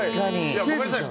いやごめんなさい。